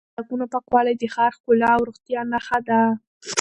د سړکونو پاکوالی د ښار ښکلا او روغتیا نښه ده.